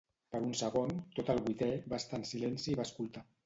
Per un segon, tot el vuitè va estar en silenci i va escoltar.